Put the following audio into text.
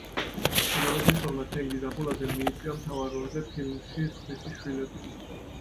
კინორეჟისორმა თენგიზ აბულაძემ მიიწვია მთავარ როლზე ფილმში „სხვისი შვილები“.